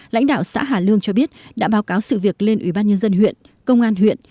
lãnh đạo xã hà lương cho biết đã báo cáo sự việc lên ủy ban nhân dân huyện công an huyện